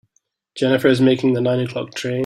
Jennifer is making the nine o'clock train.